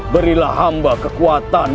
berilah hamba kekuatan